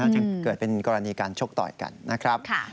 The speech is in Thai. จึงเกิดเป็นกรณีการชกต่อยกันนะครับ